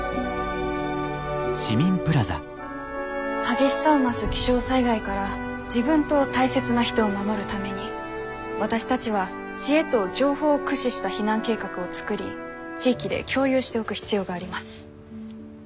激しさを増す気象災害から自分と大切な人を守るために私たちは知恵と情報を駆使した避難計画を作り地域で共有しておく必要があります。